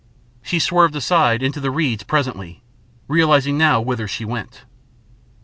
She swerved aside into the reeds presently, realising now whither she went.